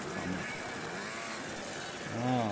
Amen.'" "Ah!